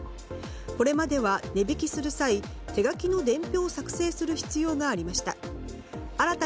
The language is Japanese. これまでは、値引きする際手書きの伝票を作成する必要がありました。